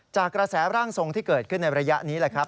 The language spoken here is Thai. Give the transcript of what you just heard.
จากกระแสร่างทรงที่เกิดขึ้นในระยะนี้แหละครับ